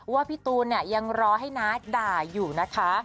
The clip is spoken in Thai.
พี่ตูนเนี่ยยังรอให้น้าด่าอยู่นะคะ